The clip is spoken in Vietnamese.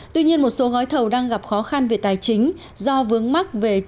tuy nhiên một số gói thầu đang gặp khó khăn về tài chính do vướng mắc về trần giải ngân vốn oda